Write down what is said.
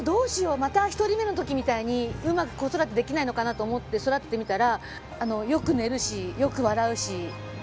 また１人目の時みたいにうまく子育てできないのかなと思って育ててみたら。